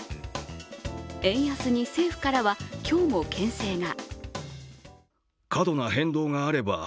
円安に、政府からは今日もけん制が。